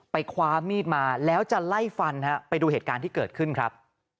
คว้ามีดมาแล้วจะไล่ฟันฮะไปดูเหตุการณ์ที่เกิดขึ้นครับ